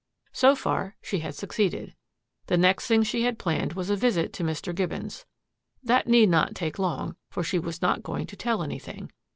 So far she had succeeded. The next thing she had planned was a visit to Mr. Gibbons. That need not take long, for she was not going to tell anything.